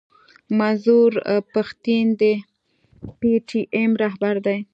منظور پښتين د پي ټي ايم راهبر دی.